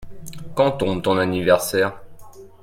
Quand tombe ton anniversaire ?